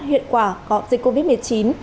hiệu quả của dịch covid một mươi chín